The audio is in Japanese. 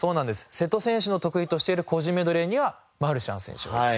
瀬戸選手の得意としている個人メドレーにはマルシャン選手がいて。